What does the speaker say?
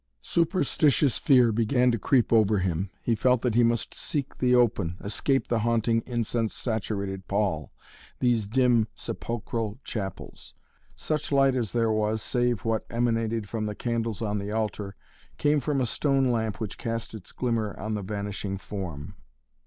Superstitious fear began to creep over him. He felt that he must seek the open, escape the haunting incense saturated pall, these dim sepulchral chapels. Such light as there was, save what emanated from the candles on the altar, came from a stone lamp which cast its glimmer on the vanishing form.